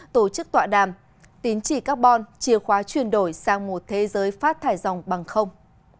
tổ chức tọa đàm tín chỉ carbon chìa khóa chuyển đổi sang một thế giới phát thải dòng bằng không